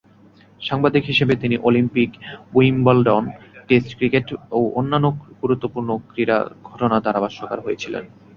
সাংবাদিক হিসেবে তিনি অলিম্পিক, উইম্বলডন, টেস্ট ক্রিকেট ও অন্যান্য গুরুত্বপূর্ণ ক্রীড়া ঘটনার ধারাভাষ্যকার হয়েছিলেন।